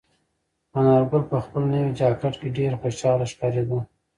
انارګل په خپل نوي جاکټ کې ډېر خوشحاله ښکارېده.